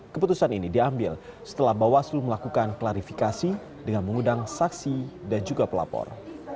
keputusan ini diambil setelah bawaslu melakukan klarifikasi dengan mengundang saksi dan juga pelapor